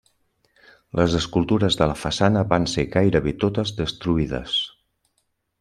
Les escultures de la façana van ser gairebé totes destruïdes.